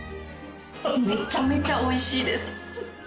めちゃめちゃ美味しいです。